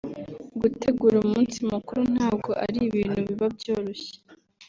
Gutegura umunsi mukuru ntabwo ari ibintu biba byoroshye